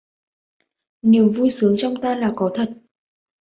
Niềm vui sướng trong ta là có thật